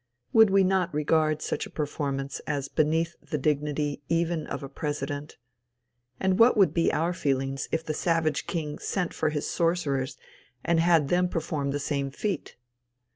Would we not regard such a performance as beneath the dignity even of a president? And what would be our feelings if the savage king sent for his sorcerers and had them perform the same feat?